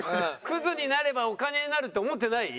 クズになればお金になるって思ってない？